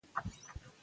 ایا ښوونځي نظم لري؟